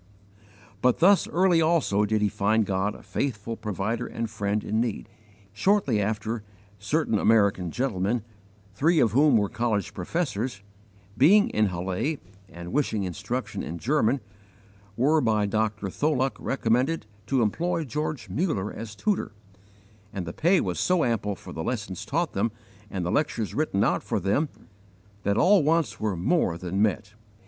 But thus early also did he find God a faithful Provider and Friend in need. Shortly after, certain American gentlemen, three of whom were college professors,* being in Halle and wishing instruction in German, were by Dr. Tholuck recommended to employ George Muller as tutor; and the pay was so ample for the lessons taught them and the lectures written out for them, that all wants were more than met.